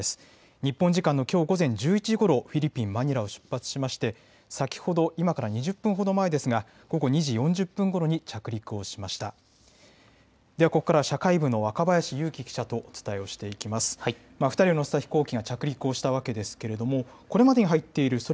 日本時間のきょう午前１１時ごろフィリピン、マニラを出発しまして先ほど、今から２０分ほど前ですが午後２時４０分ごろに着陸をしました。